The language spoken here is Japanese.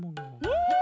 うん！